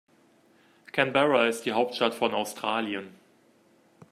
Canberra ist die Hauptstadt von Australien.